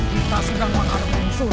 kita sudah mengharapkan unsur